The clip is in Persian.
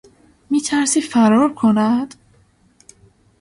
میترسی فرار کند؟